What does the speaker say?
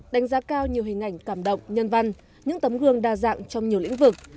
đánh giá cao nhiều hình ảnh cảm động nhân văn những tấm gương đa dạng trong nhiều lĩnh vực